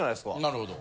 なるほど。